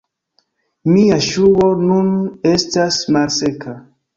Mia ŝuo nun estas malseka